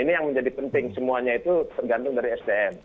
ini yang menjadi penting semuanya itu tergantung dari sdm